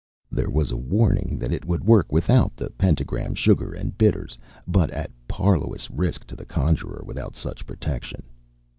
There was a warning that it would work without the pentagram, sugar and bitters, but at parlous risk to the conjurer without such protection.